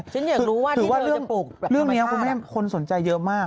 ฉันอยากรู้ว่าที่เธอจะปลูกธรรมชาติละครับคือว่าเรื่องนี้คุณแม่คนสนใจเยอะมาก